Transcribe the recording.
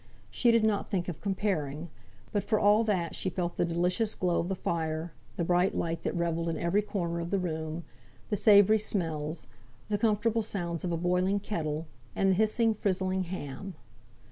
She did not think of comparing; but for all that she felt the delicious glow of the fire, the bright light that revelled in every corner of the room, the savoury smells, the comfortable sounds of a boiling kettle, and the hissing, frizzling ham.